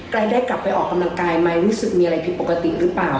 ได้กลับไปออกกำลังกายไหมรู้สึกมีอะไรผิดปกติหรือเปล่า